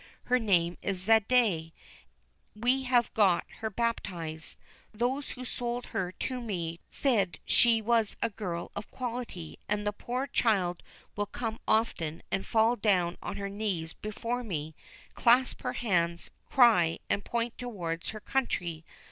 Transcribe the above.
Her name is Zayde; we have got her baptized.... Those who sold her to me told me she was a girl of quality; and the poor child will come often and fall down on her knees before me, clasp her hands, cry, and point towards her country.